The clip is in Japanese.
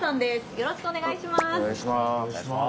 よろしくお願いします！